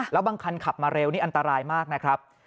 แล้วบางคันขับมาเร็วนี่อันตรายมากนะครับ